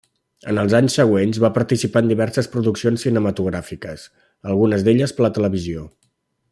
En els anys següents va participar en diverses produccions cinematogràfiques, algunes d'elles per la televisió.